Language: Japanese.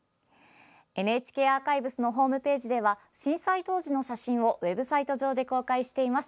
ＮＨＫアーカイブスのホームページでは震災当時の写真をウェブサイト上で公開しています。